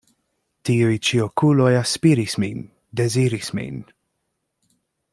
Tiuj ĉi okuloj aspiris min, deziris min.